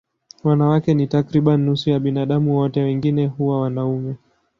Wanawake ni takriban nusu ya binadamu wote, wengine huwa wanaume.